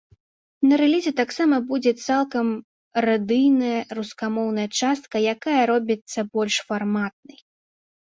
На рэлізе таксама будзе цалкам радыйная рускамоўная частка, якая робіцца больш фарматнай.